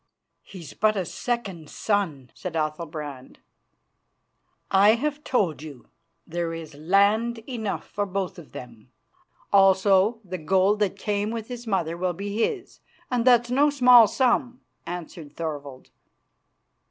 "He's but a second son," said Athalbrand. "I have told you there is land enough for both of them, also the gold that came with his mother will be his, and that's no small sum," answered Thorvald.